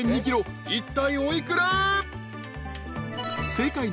［いったいお幾ら？］